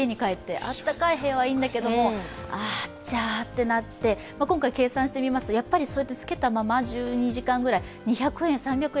暖かい部屋はいいんだけども、あちゃってなって、今回、計算してみますとやっぱりつけたまま１２時間くらい２００円、３００円